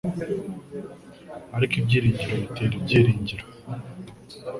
Ariko ibyiringiro bitera ibyiringiro.